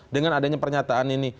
dengan adanya pernyataan ini